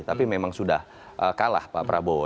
tapi memang sudah kalah pak prabowo